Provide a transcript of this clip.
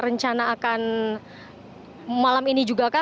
rencana akan malam ini juga kah